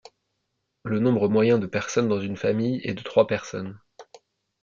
Le nombre moyen de personnes dans une famille est de trois personnes.